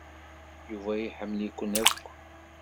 Yuba iḥemmel-iken akk.